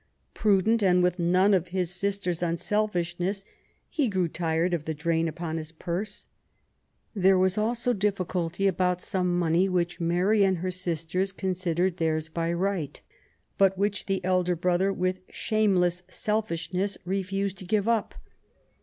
Prudent^ and with none of his sister's unselfishness, he grew tired of the drain upon his purse. There was also difficulty about some money which Mary and her sisters con* sidered theirs by rights but which the eldest brother, with shameless selfishness, refused to give up.